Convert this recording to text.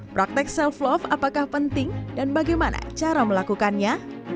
praktek self love apakah penting dan bagaimana cara melakukannya